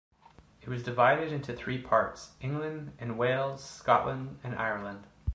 It was divided into three parts: England and Wales, Scotland, and Ireland.